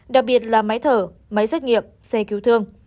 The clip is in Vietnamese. đặc biệt là máy thở máy xét nghiệm xe cứu thương